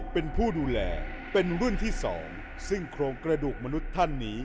เป็นผู้ดูแลเป็นรุ่นที่๒ซึ่งโครงกระดูกมนุษย์ท่านนี้